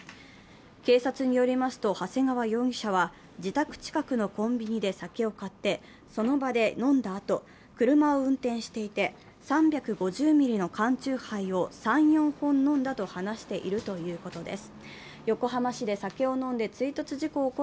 警察によりますと長谷川容疑者は自宅近くのコンビニで酒を買ってその場で飲んだあと、車を運転していて、３５０ミリの缶チューハイを３４本飲んだと話しているということです。